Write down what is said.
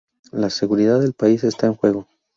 La seguridad del país está en juego.